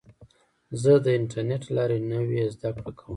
زه د انټرنیټ له لارې نوې زده کړه کوم.